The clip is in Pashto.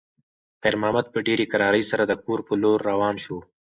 خیر محمد په ډېرې کرارۍ سره د کور په لور روان شو.